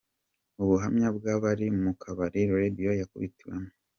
Ubuhamya bw’abari mu kabari Radio yakubitiwemo.